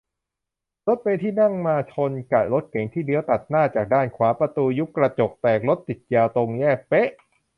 รถเมล์ที่นั่งมาชนกะรถเก๋งที่เลี้ยวตัดหน้าจากด้านขวา ประตูยุบ กระจกแตก รถติดยาว ตรงแยกเป๊ะ